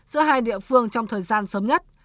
giữa hai địa phương trong thời gian sớm nhất